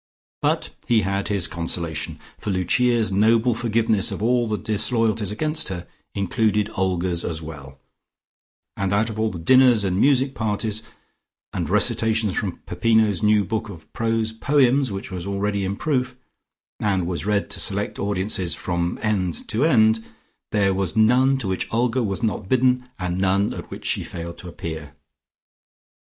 But he had his consolation, for Lucia's noble forgiveness of all the disloyalties against her, included Olga's as well, and out of all the dinners and music parties, and recitations from Peppino's new book of prose poems which was already in proof, and was read to select audiences from end to end, there was none to which Olga was not bidden, and none at which she failed to appear.